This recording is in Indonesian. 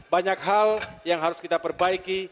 banyak hal yang harus kita perbaiki